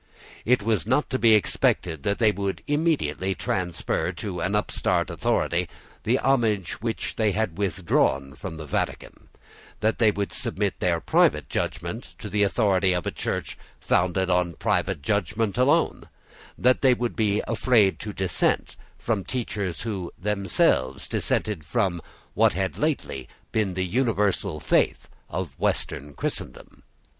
It was not to be expected that they would immediately transfer to an upstart authority the homage which they had withdrawn from the Vatican; that they would submit their private judgment to the authority of a Church founded on private judgment alone; that they would be afraid to dissent from teachers who themselves dissented from what had lately been the universal faith of western Christendom.